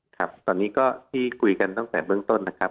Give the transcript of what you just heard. ครับตอนนี้ก็ที่คุยกันตั้งแต่เบื้องต้นนะครับ